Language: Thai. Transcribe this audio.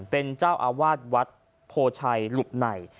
เป็นเจ้าอาวาสวัดโพชัยหลุบใน